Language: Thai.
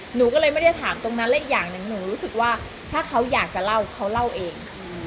หนูก็เลยไม่ได้ถามตรงนั้นและอีกอย่างหนึ่งหนูรู้สึกว่าถ้าเขาอยากจะเล่าเขาเล่าเอง